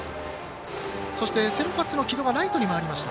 そして、先発の城戸はライトに回りました。